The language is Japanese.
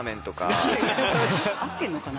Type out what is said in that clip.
合ってんのかな？